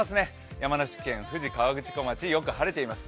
山梨県富士河口湖町、よく晴れています。